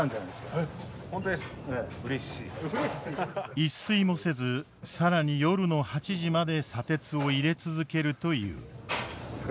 一睡もせず更に夜の８時まで砂鉄を入れ続けるという。